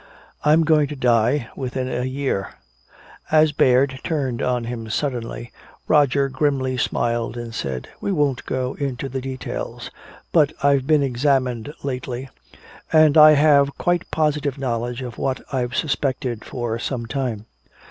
I'm going to die within a year." As Baird turned on him suddenly, Roger grimly smiled and said, "We won't go into the details, but I've been examined lately and I have quite positive knowledge of what I've suspected for some time.